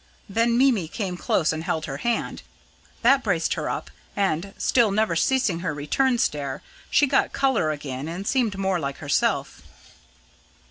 Then Mimi came close and held her hand. That braced her up, and still, never ceasing her return stare she got colour again and seemed more like herself."